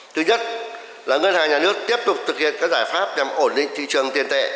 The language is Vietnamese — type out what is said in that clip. thứ nhất là ngân hàng nhà nước tiếp tục thực hiện các giải pháp nhằm ổn định thị trường tiền tệ